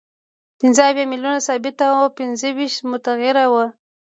پنځه اویا میلیونه ثابته او پنځه ویشت متغیره وه